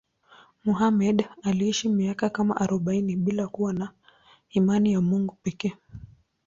Muhammad aliishi miaka kama arobaini bila kuwa na imani ya Mungu pekee.